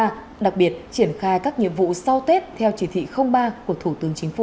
đặc biệt triển khai các nhiệm vụ sau tết theo chỉ thị ba của thủ tướng chính phủ